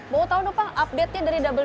mau tahu dong pak update nya dari double